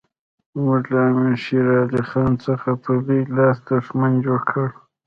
موږ له امیر شېر علي خان څخه په لوی لاس دښمن جوړ کړ.